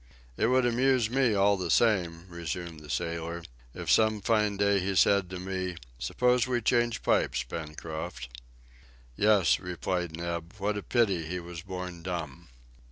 "It would amuse me all the same," resumed the sailor, "if some fine day he said to me, 'Suppose we change pipes, Pencroft.'" "Yes," replied Neb, "what a pity he was born dumb!"